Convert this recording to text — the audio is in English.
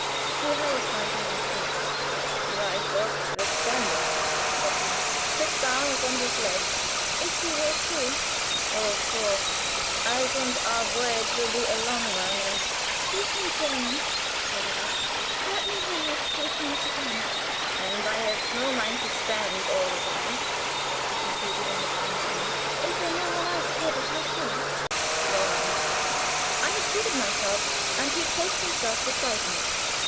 He held my hand fast. "You are exhausted with standing?" said he. "Sit down upon this ledge." "If you will too." "Oh, of course. I think our voyage will be a long one, and " "Speak German," said I. "Let me hear you speaking it again." "And I have no mind to stand all the time," he concluded in his own tongue. "Is there no one else here but ourselves?" "No one." I had seated myself and he placed himself beside me.